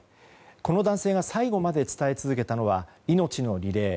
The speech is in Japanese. この男性が最期まで伝え続けたのは命のリレー。